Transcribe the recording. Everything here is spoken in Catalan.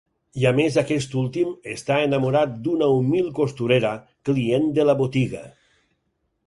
I a més, aquest últim, està enamorat d'una humil costurera, client de la botiga.